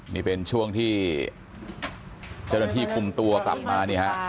นี่เป็นช่วงที่เจ้าหน้าที่คุมตัวกลับมานี่ฮะ